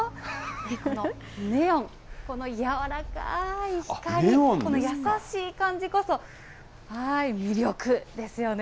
このネオン、この柔らかい光、この優しい感じこそ、魅力ですよね。